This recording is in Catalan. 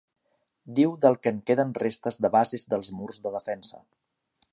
Diu del que en queden restes de bases dels murs de defensa.